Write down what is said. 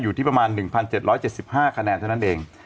อยู่ที่ประมาณ๑๗๗๕คะแนนเท่านั้นเอง